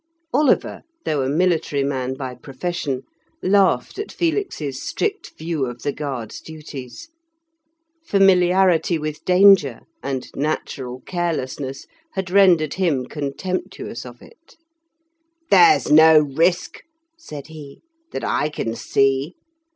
Oliver, though a military man by profession, laughed at Felix's strict view of the guards' duties. Familiarity with danger, and natural carelessness, had rendered him contemptuous of it. "There's no risk," said he, "that I can see.